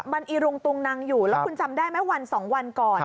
มันอีรุงตุงนังอยู่แล้วคุณจำได้ไหมวัน๒วันก่อน